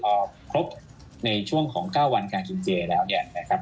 พอครบในช่วงของ๙วันการกินเจแล้วเนี่ยนะครับ